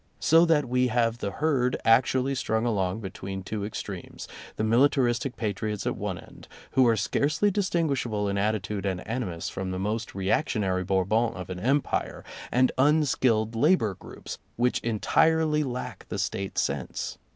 So that we have the herd actually strung along between two extremes, the militaristic patriots at one end, who are scarcely distinguishable in attitude and animus from the most reactionary Bourbons of an Empire, and un skilled labor groups, which entirely lack the State sense.